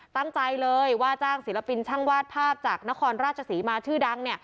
ตั้งใจเลยว่าจ้างศิลปินช่างวาดภาพจากนครราชศรีมาชื่อดัง